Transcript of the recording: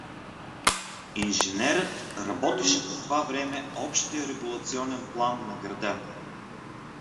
Инженерът работеше по това време общия регулационен план на града.